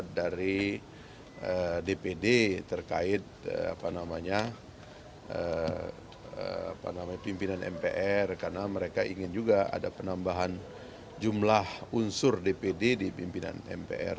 pdi perjuangan meminta para pimpinan mpr untuk mencari penambahan kursi pimpinan mpr